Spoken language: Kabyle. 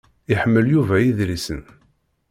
Iḥemmel Yuba idlisen.